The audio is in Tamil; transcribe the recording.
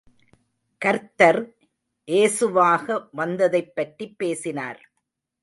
கர்த்தர் ஏசுவாக, வந்ததைப் பற்றிப் பேசினார்.